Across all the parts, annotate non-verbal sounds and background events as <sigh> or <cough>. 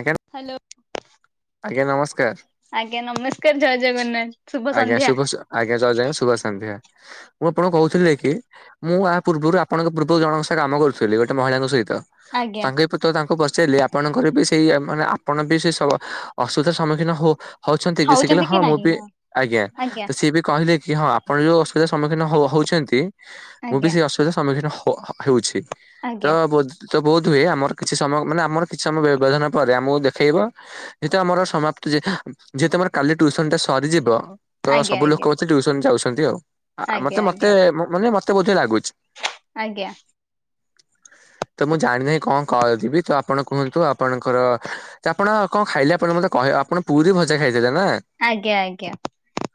ଆଜ୍ଞା ହାଲୋ। ଆଜ୍ଞା ନମସ୍କାର। ଆଜ୍ଞା ନମସ୍କାର ଜୟ ଜଗନ୍ନାଥ ଆଜ୍ଞା ସନ୍ଧ୍ୟା ଶୁଭ ସ ଆଜ୍ଞାା ଜୟେଜଗନ୍ନାଥ୍ ଶୁଭସନ୍ଧ୍ୟ। ମୁଁ ଆପଣଙ୍କୁ କୋହୁଥିଲି କି, ମୁଁ ଏହା ପୂର୍ବରୁ ଆପଣଙ୍କ ପୂର୍ବରୁ ଜଣଙ୍କ ସହ କାମ କରୁଥିଲି ଗୋଟେ ମହିଳାଙ୍କ ସହିତ। ଆଜ୍ଞା। ତାଙ୍କେ <unintelligible> ତାଙ୍କୁ ପସ୍ ଆପଣଙ୍କର ବି ସେଇ ମାନେ ଆପଣ ବି ସେଵ୍ ଅସୁବିଧାର ସମ୍ମୁଖୀନ ହୋ-ହୋଉଛନ୍ତି କି ସି ହଉଛନ୍ତି ହଁ ମୁଁ ନାହିଁ ବି ଆଜ୍ଞା ତ ସିଏ ବି କହିଲେ କି ହଁ ଆପଣ ଯୋଉ ଅସୁବିଧା ସମ୍ମୁଖୀନ ହୋଉ ହୋଉଛନ୍ତି। ମୁଁ ବି ଆଜ୍ଞା ସେଇ ଅସୁବିଧାର ସମ୍ମୁଖୀନ ହ ହେଉଛି ତ ଆଜ୍ଞା ବୋତ୍ ବୋହୁତ ହୁଏ ଆମର କିଛି ସମୟ ମାନେ ଆମର କିଛି ସମୟ ବ୍ୟବଧାନ ପରେ ଆମକୁ ଦେଖେଇବ ଯେହେତୁ ଆମର ସମାପ୍ତି ଯେ ତମର କାଲି ଟ୍ୟୁସନ ଟା ସରିଯିବ ତ ଆଜ୍ଞା ସବୁ ଲୋକ ଆଜ୍ଞା ହୋଉଚି ଟ୍ୟୁସନ ଯାଉଚନ୍ତି ଆଉ। ଆ ମତେ ଆଜ୍ଞା ମତେ ଆଜ୍ଞା। ମାନେ ମତେ ବୁଧେ ଲାଗୁଚି। ଆଜ୍ଞା। ତ ମୁଁ ଜାଣି ନାହିଁ କଣ କରିବି, ତ ଆପଣ କୁହନ୍ତୁ। ଆପଣଙ୍କର ଆପଣ କଣ ଖାଇଲେ ଆପଣ ମତେ କହି ଆପଣ ପୁରୀ ଭଜା ଖାଇ ଆଜ୍ଞା ଆଜ୍ଞା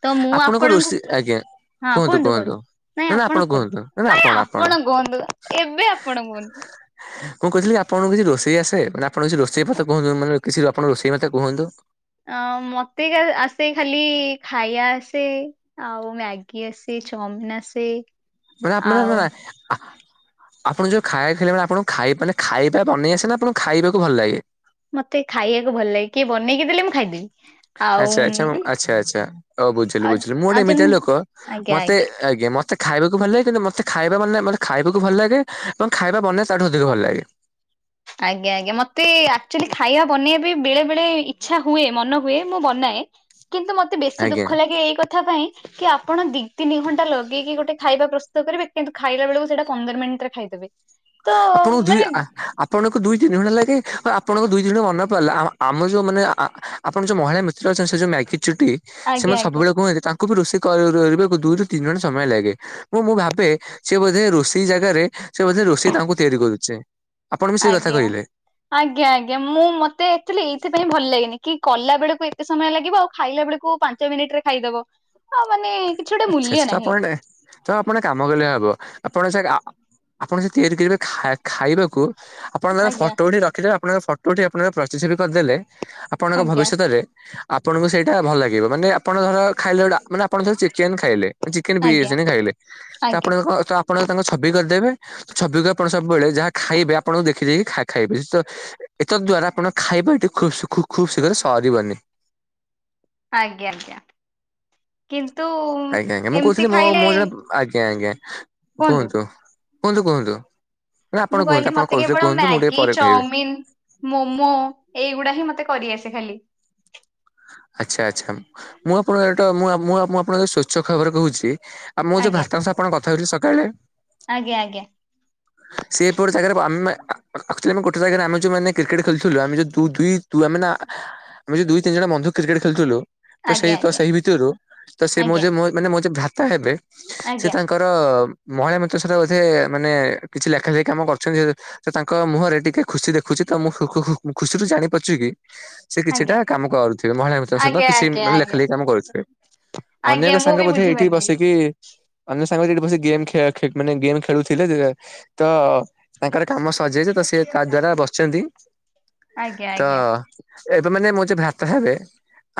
ତ ମୁଁ ଆପଣଙ୍କ ଆପଣଙ୍କୁ ରୋଷେଇ ଆଜ୍ଞା। ହଁ କୁହନ୍ତୁ କୁହନ୍ତୁ? ନାଇଁ ଆପଣ କୁହନ୍ତୁ? ନାଇଁ ଆପଣ କୁହନ୍ତୁ? ଏବେ ଆପଣ କୁହନ୍ତୁ? ମୁଁ କୋହୁଥିଲି ଆପଣଙ୍କୁ କିଛି ରୁଷେଇ ଆସେ? ମାନେ ଆପଣ କିଛି ରୋଷେଇ ମତେ କୁହନ୍ତୁ? ମାନ କିଛି ଆପଣ ରୋଷେଇ ମତେ କୁହନ୍ତୁ? ଅ ମତେ କା ଆସେ ଖାଲି ଖାଇବା ଆସେ, ଆଉ ମ୍ୟାଗି ଆସେ। ଚମିନ ଆସେ। ମାନେ ଆପ ମାନେ ଆଉ ନା ନା ଆ ଆପଣ ଯୋଉ ଖାଇବାଖିଲେ ଆପଣଙ୍କୁ ଖାଇବା, ମାନେ ଖାଇବା ବନେଇ ଆସେ ନା ଆପଣଙ୍କୁ ଖାଇବାକୁ ଭଲ ଲାଗେ? ମତେ ଖାଇବାକୁ ଭଲ ଲାଗେ। କିଏ ବନେଇକି ଦେଲେ ମୁଁ ଖାଇଦେବି। ଆଉ ଆଛା ଆଛା ଆଛା ଆଛା ହୋଉ ବୁଝିଲୁ ଆଉ ବୁଝିଲୁ। ମୁଁ ଆଉ ଗୋଟେ ଏମିତିଆ ଯେମିତି ଲୋକ ଆଜ୍ଞା ଆଜ୍ଞା ମତେ ଆଜ୍ଞା ମତ ଖାଇବାକୁ ଭଲ ଲାଗେ କିନ୍ତୁ, ମତେ ଖାଇବା ମନେ ମତେ ଖାଇବାକୁ ଭଲ ଲାଗେ ଏବଂ ଖାଇବା ବନେଇବା ତାଠୁ ଅଧିକ ଭଲ ଲାଗେ। ଆଜ୍ଞା ଆଜ୍ଞା ମତେ ଆକ୍ଚୁଆଲି ଖାଇବା ବନେଇବା ପାଇଁ ବେଳେ ବେଳେ ଇଚ୍ଛା ହୁଏ ମନ ହୁଏ ମୁଁ ବନାଏ। ନେ କିନ୍ତୁ ମତେ ବେଶୀ ଆଜ୍ଞା ଦୁଃଖ ଲାଗେ ଏଇ କଥା ପାଇଁ କି ଆପଣ ଦିଇ ତିନି ଘଣ୍ଟା ଲଗେଇକି ଗୋଟେ ଖାଇବା ପ୍ରସ୍ତୁତ କରିବେ। କିନ୍ତୁ ଖାଇଲା ବେଳକୁ ସେଇଟା ପନ୍ଦର ମିନିଟ ରେ ଖାଇଦେବେ। ତ ଆପଣଙ୍କୁ ଦୁଇ ମାନେ ଆ ଆପଣଙ୍କୁ ଦୁଇ ତିନି ଘଣ୍ଟା ଲାଗେ। ଆ ଆପଣଙ୍କୁ ଦୁଇ ଦିନ ବନେ ପାଇଲେ। ଆ-ଆମ ଯୋଉ ମାନେ ଆ-ଆ-ଆପଣ ଯୋଉ ମହିଳା ମିତ୍ର ସେ-ସେ ଯୋଉ ମ୍ୟାଗି ଚୁଟି ସେ ଆଜ୍ଞା ଆଜ୍ଞା। ସବୁବେଳେ କୁହନ୍ତି ତା କୁ ବି ରୋଷେଇ କରିବାକୁ ଦୁଇ ରୁୁ ତିନି ଘଣ୍ଟା ସମୟ ଲାଗେ। ମୁଁ ମୁଁ ଭାବେ ସେ ବୋଧେ ରୋଷେଇ ଜାଗାରେ ସେ ବୋଧେ ରୋଷେଇ ତାଙ୍କୁ ତିଆରି କରୁଚି। ଆପଣ ବି ସେଇ କଥା ଆଜ୍ଞା କହିଲେ। ଆଜ୍ଞା-ଆଜ୍ଞା ମୁଁ ମତେ ଏକ୍ଟୁଆଲୀ ଏଇଥି ମତେ ବି ଭଲ ଲାଗନି, କି କଲା ବେଳକୁ ଏତେ ସମୟ ଲାଗିବ। ଆଉ ଖାଇଲା ବେଳକୁ, ପାଞ୍ଚ ମିନିଟ ରେ ଖାଇଦବ। ଆଉ ମାନେ କିଛି ଗୋଟେ ମୂଲ୍ୟ ଆଚ୍ଛା-ଆଛା ତ ନାହିଁ ଆପଣ ଟେ ତ ଆପଣ ଗୋଟେ କାମ କଲେ ହବ ଆପଣ ସେ ଆପଣ ସେ ତିଆରି କରିବେ ଖାଇ-ଖାଇବାକୁ ଆପଣ ତାର ଆଜ୍ଞା ଫଟୋ ଉଠେଇ ରଖିଦେବେ ଆପଣଙ୍କ ଫଟୋ ଉଠେଇ, ଆପଣଙ୍କର ପ୍ରତିଛବି କରିଦେଲେ ଆପଣଙ୍କ ଆଜ୍ଞା ଭବିଷ୍ୟତରେ ଆପଣଙ୍କୁ ସେଇଟା ଭଲ ଲାଗିବ। ମାନେ ଆପଣ ଧର ଖାଇଲେ ମାନେ ଆପଣ ଧର ଚିକେନ ଖାଇଲେ ଚିକେନ ଆଜ୍ଞା <unintelligible> ଖାଇଲେ ତ ଆଜ୍ଞା। ଆପଣଙ୍କ କଣ ତ ଆପଣ ତାଙ୍କ ଛବି କରିଦେବେ ଛବିକୁ ଆପଣ ସବୁବେଳେ ଯାହା ଖାଇବେ ଆପଣଙ୍କୁ ଦେଖିଦେଖି ଖା ଖାଇବେ ତ ଏତଦ୍ ଦ୍ଵାରା ଆପଣ ଖାଇବା ଏଠୀ ଖୁବ ଖୁ-ଖୁ ଖୁବ ଶୀଘ୍ର ସରିବନି। ଆଜ୍ଞା-ଆଜ୍ଞା କିନ୍ତୁ? ଆଜ୍ଞା ଆଜ୍ଞା ମୁଁ ଏମିତି କହୁଥିଲି ମୁଁ ମୁଁ ଖାଇଲେ ଜଣେ ଆଜ୍ଞା ଆଜ୍ଞା କୁହନ୍ତୁ। କୁହନ୍ତୁ କୁହନ୍ତୁ। ନା ଆପଣ ମୁଁ କୁହନ୍ତୁ କହିଲି ଆପଣ ମତେ କହୁଥିଲେ କେବଳ କୁହନ୍ତୁ ମୁଁ ଟିକେ ମ୍ୟାଗି ପରେ କହିବି। ଚାଓମିନ ମୋମୋ, ଏଇଗୁଡା ହିଁ ମତେ କରିଆସେ ଖାଲି। ଆଛା, ଆଚ୍ଛା ମୁଁ ଆପଣକୁ ଏଟା ମୁଁ ମୁଁ ଆପଣଙ୍କ ସ୍ଵଚ୍ଛ ଖବରେ କହୁଛି, ମୁଁ ଯୋଉ ଆଜ୍ଞା ଭ୍ରାତାଙ୍କ ସହ ଆପଣ କଥା ହୋଉଥିଲି ସକାଳେ ଆଜ୍ଞା, ଆଜ୍ଞା, ସେପଟ ଜାଗାରେ ଆମେ, ୱାକଚୁଆଲି ଆମେ ଗୋଟେ ଜାଗାରେ ଆମେ ଯଉ ମାନେ କ୍ରିକେଟ ଖେଳୁଥିଲୁ ଆମେ ଯୋଉ ଟୁ, ଥ୍ରୀ, ଟୁ ଆମେ ନା ମିଶି ଦୁଇ ତିନି ଜଣ ବନ୍ଧୁ କ୍ରିକେଟ ଖେଳୁଥିଲୁ ତ ସେଇ ତ ଆଜ୍ଞା ସେଇ ଭିତରୁ ସେ ମୋର ଆଜ୍ଞା ଯୋଉ ମାନେ ମୋର ଯୋଉ ଜଣେ ଭ୍ରାତା ହେବେ ସେ ଆଜ୍ଞା ତାଙ୍କର ମହିଳା ମିତ୍ର ସାଙ୍ଗରେ ବୋଧେ ମାନେ କିଛି ଲେଖା ଲେଖି କାମ କରୁଛନ୍ତି ତ ତାଙ୍କ ମୁଁହରେ ଟିକେ ଖୁସି ଦେଖୁଚି ତ ମୁଁ ଖୁ ଖୁୁ ଖୁୁୁ ଖୁସିରୁ ଜାଣି ପାରୁଛିକି ସେ କିଛିଟା କାମ କରୁଥିବେ, ମହିଳା ମିତ୍ରଙ୍କ ସହିତ ଆଜ୍ଞା କିଛି ଆଜ୍ଞା ଆଜ୍ଞା ଆଜ୍ଞା ମାନେ ଲେଖା ଆଜ୍ଞା ଲେଖି କାମ କରୁଥିବେ। ଅନ୍ୟଏକ ଆଜ୍ଞା ମୁଁ ସାଙ୍ଗ ବି ବୋଧେ ଏଇଠି ବୁଝିପାରିଲି ବସିକି ଅନ୍ୟ ସାଙ୍ଗମାନେ ଏଠି ବସି ଗେମ ଖେ ମାନେ ଗେମ ଖେ ଖେଳୁଥିଲେ ଦେ ତ, ତାଙ୍କର କାମ ସରିଜାଇଚି ତ ସେ ତା ଦ୍ଵାରା ବସିଚନ୍ତି। ଆଜ୍ଞା, ଆଜ୍ଞା, ଏବେ ମାନେ, ମୋ ଯଉ ଭ୍ରାତା ହେବେ,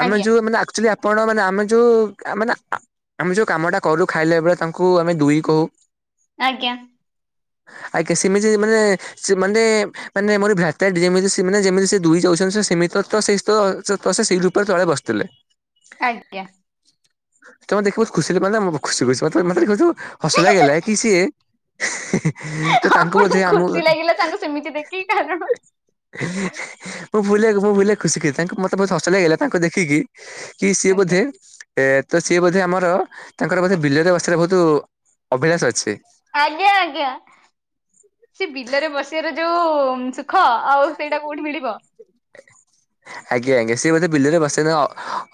ଆମେ ଆଜ୍ଞା ଯୋଉ ମାନେ ଅକ୍ଚ୍ୟୁଆଲି ଆ ଆପଣମାନେ ଆମେ ଯୋଉ ମାନେ ଆ ଆମେ ଯଉଁ କାମଟାକରୁ ଖାଇଲା ବେଳେ ତାଙ୍କୁ ଆମେ ଦୁଇ କହୁ। ଆଜ୍ଞା, <inaudible> ଆଜ୍ଞା ସେମିତି ମାନେ, ମାନେ, ମାନେ, ମୋର ଭ୍ରାତ ଯେମିତି, ଯେମିତି ସେ ଦୁଇ ଯାଉଛନ୍ତି ସେମିତି ତ ତ ସେଇତ ସେ ସେଇ ରୂପରେ ତଳେ ବସିଥିଲେ। ଆଜ୍ଞା, ତମେ ଦେଖି ବହୁତ ଖୁସିରେ କହିଲା ଖୁସି ଖୁସି ମତେ ଦେଖି ହସ ଲାଗିଲା କି ସିଏ <inaudible> ତ ତାଙ୍କୁ ଆପଣଙ୍କୁ ବୋଧେ ଆମକୁ ଖୁସି ଲାଗିଲା ତାଙ୍କୁ ସେମିତି ଦେଖିକି କାରଣ ମୁଁ ଭୁଲରେ ମୁଁ ଭୁଲରେ ଖୁସିକି ତାଙ୍କୁ ମତେ ବହୁତ ହସ ଲାଗିଲା ତାଙ୍କୁ ଦେଖିକି କି ସିଏ ଆଜ୍ଞା ବୋଧେ ଏ ତ ସିଏ ବୋଧେ ଆମର ତାଙ୍କର ବୋଧେ ବିଲରେ ବସିବାର ବହୁତ ଅଭିଳାଷ ଅଛି। ଆଜ୍ଞା, ଆଜ୍ଞା, ସେ ବିଲରେ ବସିବାର ଯୋଉ ସୁ ଖ ଆଉ ସେଇଟା କେଁଉଠି ମିିଳିବ? ଆଜ୍ଞା, ଆଜ୍ଞା, ସିଏ ବୋଧେ ବିଲରେ ବସେ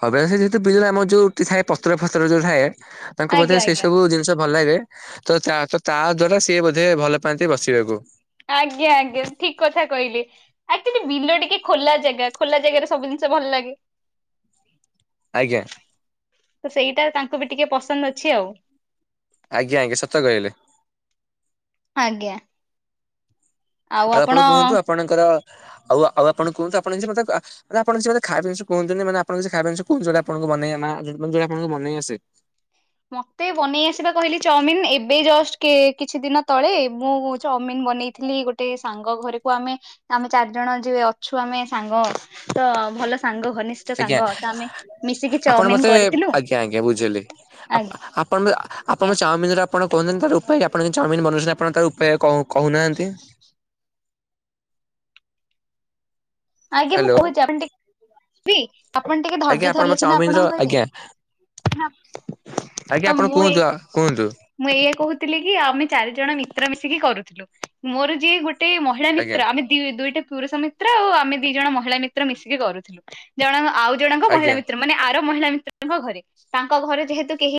ଅଭ୍ୟାସ ଅଛି ବିଲରେ ଆମ ଯୋଉ ଏ ପତ୍ର ଫତ୍ର ଯୋଉ ଥାଏ ତାଙ୍କୁ ବୋଧେ ଆଜ୍ଞା ସେଇ ଆଜ୍ଞା ସବୁ ଜିନିଷ ଭଲ ଲାଗେ ତ ତା ତ ତା ଦ୍ଵାରା ସିଏ ବୋଧେ ଭଲ ପାଆନ୍ତି ବସିବାକୁ। ଆଜ୍ଞା, ଆଜ୍ଞା ଠିକ କଥା କହିଲେ ଆକଚୁଆଲି ବିଲ ଟିକେ ଖୋଲା ଜାଗା ଖୋଲା ଜାଗାରେ ସବୁ ଜିନିଷ ସେ ଭଲ ଲାଗେ। ଆଜ୍ଞା ତ ସେଇଟା ତାଙ୍କୁ ବି ଟିକେ ପସନ୍ଦ ଅଛି ଆଉ ଆଜ୍ଞା, ଆଜ୍ଞା, ସତ କହିଲେ। ଆଜ୍ଞା। ଆଉ ଆପଣ କୁହନ୍ତୁ ଆପଣଙ୍କର ଆଉ ଆପଣ କୁହନ୍ତୁ, ଆପଣ କିଛି ବୋଧେ ଖାଇବା ଜିନିଷ କୁହନ୍ତୁନି ମାନେ ଆପଣ କିଛି ଖାଇବା ଜିନିଷ କହୁଛନ୍ତି ଆପଣ ବନେଇ ନା ଯୋଟା ଆପଣଙ୍କୁ ଵନେଇ ଆସେ। ମତେ ବନେଇ ଆସିବା କହିଲେ, ଚାଉମିନ ଏବେ ଜଷ୍ଟ କିଛି ଦିନ ତଳେ ମୁଁ ଚାଉମିନ ବନେଇଥିଲି ଗୋଟେ ସାଙ୍ଗ ସାଙ୍ଗ ଘରକୁ ଆମେ, ଆମେ ଚାରି ଜଣ ଯିଏ ଅଛୁ, ଆମେ ସାଙ୍ଗ ତ ଭଲ ସାଙ୍ଗ, ଘନିଷ୍ଠ ଆଜ୍ଞା ସାଙ୍ଗ ତ, ଆମେ ମିଶିକି ଆପଣ ଚାଉମିିନ ମତେ କରିଥିଲୁ। ଆଜ୍ଞା ଆଜ୍ଞା ବୁଝିଲି। ଆପଣ ଆଜ୍ଞା ଆପଣଙ୍କ ଚାଉମିନ ର ଆପଣ କୁହନ୍ତୁ ତାର ଉପାୟ ଆପଣ ଯଉ ଚାଉମିନ ବନଉଛନ୍ତି, ଆପଣ ତା ଉପାୟ କହୁନାହାନ୍ତି? ଆଜ୍ଞା, ମୁଁ ହ୍ୟାଲୋ କହୁଛି ଆପଣ ଟିକେ କହିବି ଆପଣ ଟିକେ ଆଜ୍ଞା ଧୈର୍ଯ୍ୟ ଆପଣ ଧରିଲେ ସିନା ଚାଉମିନର ଆପଣଙ୍କୁ କହିବି। ଆଜ୍ଞା <unintelligible> ତ ଆପଣ ମୁଁ ଏ କୁହନ୍ତୁ କୁହନ୍ତୁ ମୁଁ ଏଇଆ କହୁଥିଲି କି, ଆମେ ଚାରି ଜଣ ମିଶି କି କରୁଥୁଲୁ, ମୋର ଯିଏ ଗୋଟେ ମହିଳା ଆଜ୍ଞା ମିତ୍ର ଆମେ ଦି ଦୁଇଟା ପୁରୁଷ ମିତ୍ର ଆଉ ଆମେ ଦି ଜଣ ମହିଳା ମିତ୍ର ମିଶିକି କରୁଥିଲୁ, ଜଣ ଆଉ ଜଣଙ୍କ ମହିଳା ଆଜ୍ଞା ମିତ୍ର ମାନେ ଆ ମହିଳା ମିତ୍ରଙ୍କ ଘରେ ତାଙ୍କ ଘରେ ଯେହେତୁ କେହି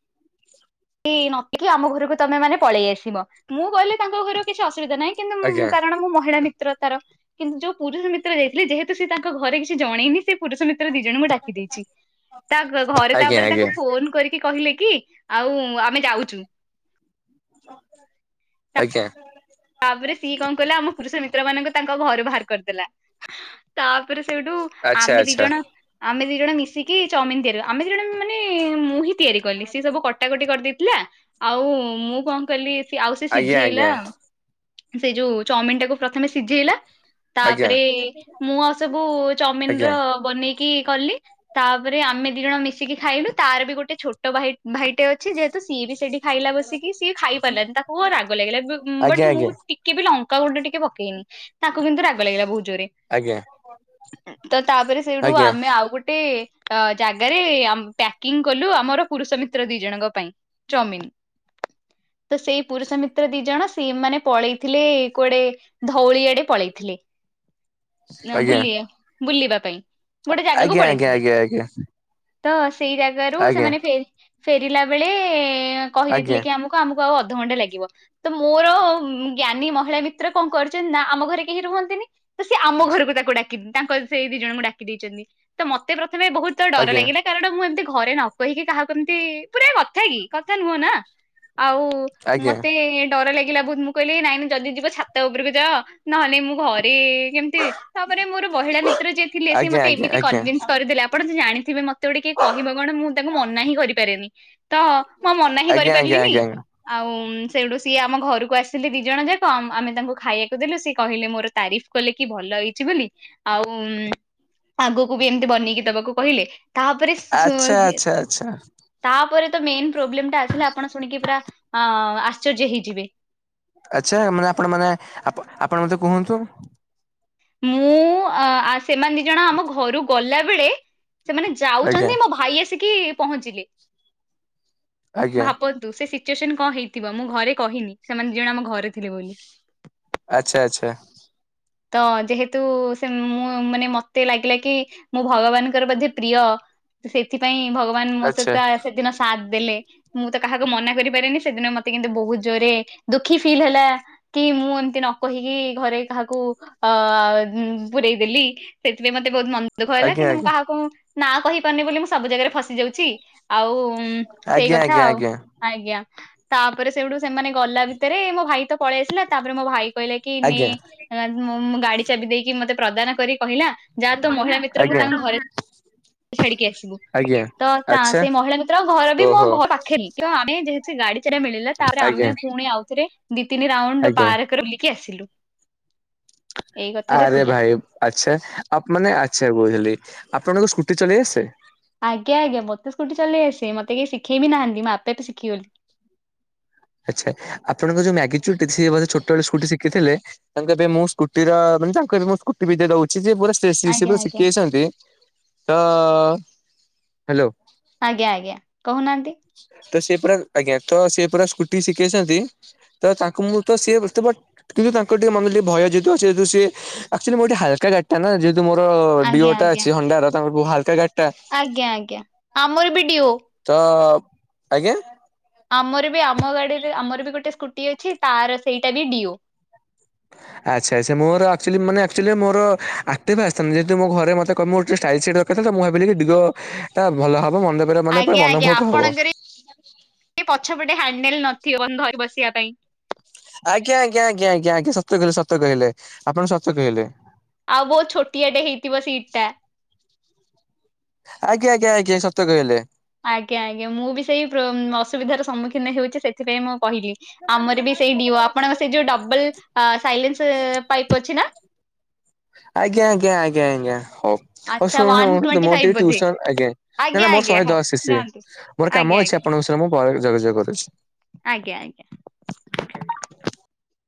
କେହି ନ ଦେଖିକି ଆମ ଘରକୁ ତମେ ମାନେ ପଳେଇ ଆସିବ, ମୁଁ କହିଲି ତାଙ୍କ ଘର କିଛି ଅସୁବିଧା ନାହିଁ, କିନ୍ତୁ ମୁଁ ଆଜ୍ଞା କାରଣ ମୁଁ ମହିଳା ମିତ୍ର ତାର କିନ୍ତୁ ଯୋଉ ପୁରୁଷ ମିତ୍ର ଯାଇଥିଲେ ଯେହେତୁ ସେ ତାଙ୍କ ଘରେ କିଛି ଜଣେଇନି ସେ ପୁରୁଷ ମିତ୍ର ଦି ଜଣଙ୍କୁ ଡାକି ଦେଇଛି, ତା ଘ ଘରେ ଆଜ୍ଞା ତାପରେ ଆଜ୍ଞା ତାକୁ ଫୋନ କରିକି କହିଲେ କି ଆଉ ଆମେ ଯାଉଛୁ। ଆଜ୍ଞା। ତାପରେ ସିଏ କଣ କଲା ଆମ ପୁରୁଷ ମିତ୍ର ମାନଙ୍କୁ ତାଙ୍କ ଘରୁ ବାହାର କରିଦେଲା, ତା ତାପରେ ସେଇଠୁ ଆଚ୍ଛା ଆମେ ଦି ଆଚ୍ଛା ଜଣ ଆମେ ଦି ଜଣ ମିଶିକି ଚାଉମିନ ତିଆରି କରିଲୁ, ଆମେ ଦି ଜଣ ମାନେ ମୁଁ ହିଁ ତିଆରି କଲି ସେ ସବୁ କଟାକଟି କରିଦେଇଥିଲା, ଆଉ ମୁଁ କଣ କଲି ଆଉ ସେ ଆଜ୍ଞା ସିଝେଇଲା ଆଜ୍ଞା ସେ ଯୋଉ ଚାଉମିନ ଟାକୁ ପ୍ରଥମେ ସିଝେଇଲା। ତାପରେ ମୁଁ ଆଉ ସବୁ ଚାଉମିିନ ଆଜ୍ଞା ର ବନେଇ କି କଲି ତାପରେ ଆମେ ଦି ଜଣ ମିଶିକି ଖାଇଲୁ, ତାର ବି ଗୋଟେ ଛୋଟ ଭାଇ ଭାଇଟେ ଅଛି, ଯେହେତୁ ସିଏ ବି ସେଇଠି ଖାଇଲା ବସିକି, ସିଏ ଖାଇ ପାରିଲାନି ତାକୁ ରାଗ ଲାଗିଲା, ବଟ ଆଜ୍ଞା ଆଜ୍ଞା ମୁଁ ଆଜ୍ଞା ଟିକେ ବି ଲଙ୍କା ଗୁଣ୍ଡ ଟିକେ ପକେଇନି, ତାକୁ କିନ୍ତୁ ରାଗ ଲାଗିଲା ବହୁତ ଯୋରେ ଆଜ୍ଞା ତ ତାପରେ ସେଇଠୁ ଆଜ୍ଞା ଆମେ ଆଉ ଗୋଟେ ଅ ଜାଗାରେ ଆମ ପ୍ୟାକିଂ କଲୁ ଆମର ପୁରୁଷ ମିତ୍ର ଦି ଜଣଙ୍କ ପାଇଁ ଚଉମିିନ। <inaudible> ତ ସେଇ ପୁରୁଷ ମିତ୍ର ଦି ଜଣ ସିଏ ମାନେ ପଳେଇଥିଲେ କୁଆଡେ ଧଉଳିଆଡେ ପଳେଇଥିଲେ, ନା ଆଜ୍ଞା ବୁଲି ବୁଲିବା ପାଇଁ ଗୋଟେ ଜାଗାକୁ ଆଜ୍ଞା ଆଜ୍ଞା ପଳେଇଥିଲେ। ଆଜ୍ଞା ତ ସେଇ ଜାଗାରୁ ସେମାନେ ଫେରି ଫେରିଲା ବେଳେ, ଆଜ୍ଞା କହିଦେଇଥିଲେ କି ଆମକୁ ଆମକୁ ଆଉ ଅଧଘଣ୍ଟେ ଲାଗିବ ତ ମୋର ଜ୍ଞାନୀ ମହିଳା ମିତ୍ର କଣ କରିଛନ୍ତି ନା, ଆମ ଘରେ କେହି ରୁହନ୍ତିନି, ତ ସେ ଆମ ଘରକୁ ତାକୁ ଡାକି ତାଙ୍କର ସେ ସେଇ ଦି ଜଣଙ୍କୁ ଡାକି ଦେଇଛନ୍ତି, ତ ମତେ ପ୍ରଥମେ ବହୁତ ଡର ଆଜ୍ଞା ଲାଗିଲା କାରଣ ମୁଁ ଏମତି ଘରେ ନ କହିକି କାହାକୁ ଏମିତି ପୁରେଇବା କଥା କି କଥା ନୁହଁ ନା। ଆଉ ଆଜ୍ଞା ମତେ ଡର ଲାଗିଲା ବହୁତ ମୁଁ କହିଲି ନାଇଁ ନ ଯଦି ଯିବ ଛାତ ଉପରକୁ ଯାଅ, ନହେଲେ ମୁଁ ଘରେ କେମିତି ତାପରେ ମୋର ମହିଳା ମିତ୍ର ଯିଏ ଥିଲେ, ସିଏ ଆଜ୍ଞା ମତେ ଆଜ୍ଞା। ଏମିତି ଆଜ୍ଞା କନଭିନ୍ସ କରିଦେଲେ ଆପଣ ତ ଜଣିଥିବେ ମତେ କେତେ ଗୋଟେ କିଏ କହିବ କଣ ମୁଁ ତାକୁ ମନା ହିଁ କରିପାରେନି। ତ ମୁଁ ଆଊ ମନା ହିଁ ଆଜ୍ଞା ଆଜ୍ଞା ଆଜ୍ଞା କରିପାରିଲିନି, ଆଉ ସେଇଠୁ ସିଏ ଆମ ଘରକୁ ଆସି ଲେ ଦୁଇ ଜଣ ଯାକ ଆମେ ତାଙ୍କୁ ଖାଇବାକୁ ଦେଲୁ, ସେ କହିଲେ ମୋର ତାରିଫ କଲେ, କି ଭଲ ହେଇଛି ବୋଲି ଆଉ ହୁଁ ଆଗକୁ କୁ ବି ଏମିତି ବନେଇକି ଦବାକୁ କହିଲେ ତାପରେ ଆଜ୍ଞା ଆଜ୍ଞା ଆଜ୍ଞା ଆଚ୍ଛା ଆଚ୍ଛା ଆଚ୍ଛା ତାପରେ ତ ମେନ୍ ପ୍ରୋବ୍ଲେମ୍ ଟା ଆସିଲା ଆପଣ ଶୁଣିକି ପୁରା ଆ ଆଶ୍ଚର୍ଯ୍ୟ ହେଇଯିବେ। ଆଚ୍ଛା ମାନେ ଆପଣ ମାନେ ଆପଣ ମତେ କୁହନ୍ତୁ। ମୁଁ ଆ ଆସେମାନେ ଦି ଜଣ ଆମ ଘରୁ ଗଲା ବଳେ ସେମାନେ ଆଜ୍ଞା ଯାଉଛନ୍ତି ମୋ ଭାଇ ଆସିକି ପହଞ୍ଚିଲେ। ଆଜ୍ଞା <inaudible> ସିଚ୍ୟୁଏସନ୍ କଣ ହେଇଥିବ ମୁଁ ଘରେ କହିନି ସେମାନେ ଦି ଜଣ ଆମ ଘରେ ଥିଲେ ବୋଲି। ଆଚ୍ଛା ଆଚ୍ଛା। ତ ଯେହେତୁ ସେ ମୁଁ ମାନେ ମତେ ଲାଗିଲା କି ମୁଁ ଭଗବାନଙ୍କର ବୋଧେ ପ୍ରିୟ ସେଥିପାଇଁ ଭଗବାନ ମୋ ଆଚ୍ଛା ସହିତ ସେଦିନ ସାଥ୍ ଦେଲେ ମୁଁ ତ କାହାକୁ ମନା କରିପାରେନି ସେଦିନ ମତେ କିନ୍ତୁ ବହୁତ୍ ଜୋରେ ଦୁଃଖୀ ଫିଲ୍ ହେଲା କି ମୁଁ ଏମିତି ନ କହିକି ଘରେ କାହାକୁ ଅ ପୁରେଇ ଦେଲି ସେଥିପାଇଁ ମତେ ବହୁତ୍ ମନ ଦୁଃଖ ହେଲା ଆଜ୍ଞା କିନ୍ତୁ ମୁଁ ଆଜ୍ଞା। କାହାକୁ ନାଁ କହିପାରୁନି ବୋଲି ମୁଁ ସବୁ ଜାଗାରେ ଫସି ଯାଉଛି ଆଉ ହୁଁ ସେଇ ଆଜ୍ଞା କଥା ଆଜ୍ଞା ଆଜ୍ଞା ଆଉ ଆଜ୍ଞା। ତାପରେ ସେଇଠୁ ସେମାନେ ଗଲା ଭିତରେ ମୋ ଭାଇ ତ ପଳେଇ ଆସିଲା ତାପରେ ମୋ ଭାଇ କହିଲା କି ନେ ଆଜ୍ଞା ମୁଁ ଗାଡ଼ି ଚାବି ଦେଇକି ମତେ ପ୍ରଦାନ କରି କହିଲା ଯାହା ତ ମହିଳା ମିତ୍ରଙ୍କୁ ଆଜ୍ଞା ତାଙ୍କ ଘରେ ଛାଡି଼କି ଆସିବୁ ଆଜ୍ଞା ତ ଆଚ୍ଛା ସେଇ ମହିଳା ମିତ୍ର ଙ୍କ ଘର ବି ମୋ ଓହୋ ଘର ପାଖରେ ଆମେ ଯେହେତୁ ଗା <unintelligible> ମିଳିଲା ତାପରେ ଆମେ ଆଜ୍ଞା ପୁଣି ଆଉଥରେ ଦି ତିନି ରାଉଣ୍ଡ୍ ଆଜ୍ଞା ପାର କରିକି ଆସିଲୁ। ଏଇ କଥାଟା ଆରେ ଥିଲା। ଭାଇ ଆଚ୍ଛା ଆ ମାନେ ଆଚ୍ଛା ବୁଝିଲି। ଆପଣଙ୍କ ସ୍କୁଟି ଚଲେଇ ଆସେ? ଆଜ୍ଞା ଆଜ୍ଞା ମତେ ସ୍କୁଟି ଚଲେଇ ଆସେ ମତେ କେହି ଶିଖେଇବି ନାହାନ୍ତି ମୁଁ ଆପେ ଆପେ ଶିଖିଗଲି। ଆଚ୍ଛା ଆପଣଙ୍କ ଯୋଉ <unintelligible> ଛୋଟବେଳେ ସ୍କୁଟି ଶିଖିଥିଲେ ତେବେ ମୁଁ ସ୍କୁଟିର ତାଙ୍କୁ ଏବେ ମୁଁ ସ୍କୁଟି ବିଦ୍ୟା ଦେଉଛି। ସେ ପୁରା ଆଜ୍ଞା <unintelligible> ଆଜ୍ଞା ଶିଖିଯାଛନ୍ତି ତ ହ୍ୟାଲୋ। ଆଜ୍ଞା ଆଜ୍ଞା କହୁନାହାନ୍ତି। ତ ସେ ପୁରା ଆଜ୍ଞା ତ ସେ ପୁରା ସ୍କୁ ଟି ଶିଖିଯାଇଛନ୍ତି ତ ତାଙ୍କୁ ମୁଁ ତ ସେ ବଟ୍ କିନ୍ତୁ ତାଙ୍କ ଟିକେ ମନେ ଟିକେ ଭୟ ଯେହେତୁ <unintelligible> ସେ ଆକଚ୍ୟୁଲି ମୁଁ ଗୋଟେ ହାଲକା ଗାଡ଼ି ଟା ନା ଯେହେତୁ ମୋର ଆଜ୍ଞା ଡିଓଟା ଆଜ୍ଞା ଅଛି ହଣ୍ଡାର ତାଙ୍କୁ ହାଲକା ଗା ଆଜ୍ଞା ଆଜ୍ଞା ଆମର ବି ଡିଓ। ତ ଆଜ୍ଞା। ଆମର ବି ଆମ ଗାଡ଼ିରେ ଆମର ବି ଗୋଟେ ସ୍କୁଟି ଅଛି ତାର ସେଇଟା ବି ଡିଓ। ଆଚ୍ଛା ଆଚ୍ଛା ମୋର ଆକଚ୍ୟୁଲି ମାନେ ଆକଚ୍ୟୁଲି ମୋର ଆକ୍ଟିଭା ଆସିନ୍ତାତା ଯେହେତୁ ମୋ ଘରେ ମତେ ମୋର ଟିକେ ଷ୍ଟା <unintelligible> ମୁଁ ଭାବିଲି କି ଦିଗ ଟା ଭଲ ହବ। <unintelligible> ମାନେ ଆଜ୍ଞା ପୁରା ଆଜ୍ଞା ଆପଣଙ୍କର <unintelligible> ବିଲ୍ ନଥିବ ବନ୍ଧୁ ଧରି ବସିବା ପାଇଁ। ଆଜ୍ଞା ଆଜ୍ଞା ଆଜ୍ଞା ଆଜ୍ଞା ସତ କହିଲେ ସତ କହିଲେ ଆପଣ ସତ କହିଲେ। ଆଉ ବହୁତ୍ ଛୋଟିଆ ଟେ ହେଇଥିବ ସିଟ୍ ଟା। ଆଜ୍ଞା ଆଜ୍ଞା ଆଜ୍ଞା ସତ କହିଲେ। ଆଜ୍ଞା ଆଜ୍ଞା ମୁଁ ବି ସେଇ ଅସୁବିଧାର ସମ୍ମୁଖୀନ ହେଉଛି ସେଥିପାଇଁ ମୁଁ କହିଲି ଆମର ବି ସେଇ ଡିଓ ଆପଣଙ୍କ ସେ ଯୋଉ ଡବଲ୍ ସାଇଲେନ୍ସ୍ ପାଇପ୍ ଅଛି ନା? ଆଜ୍ଞ ଆଜ୍ଞା ଆଜ୍ଞା ଆଜ୍ଞା ହଉ ଆଚ୍ଛା ୱାନ ଶୁଣନ୍ତୁ ଟ୍ୱେଣ୍ଟି ମୋର ଫାଇଭ୍ ଟିକେ ବୋଧେ ଟ୍ୟୁସନ୍ ଆଜ୍ଞା। ନାଇଁ ଆଜ୍ଞା ନା ମୋର ଆଜ୍ଞା ଶହେ ହଉ ଦଶ ଯାଆନ୍ତୁ। ଶିଶ୍ ମୋର ଆଜ୍ଞା କାମ ଅଛି ଆଜ୍ଞା ଆପଣଙ୍କ ସହ ମୁଁ ଆଜ୍ଞା ଆଜ୍ଞା।